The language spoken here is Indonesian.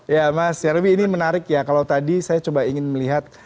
ya mas nyarwi ini menarik ya kalau tadi saya coba ingin melihat